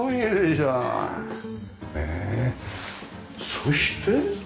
そして？